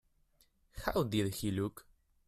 How did he look?